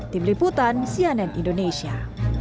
tim liputan cnn indonesia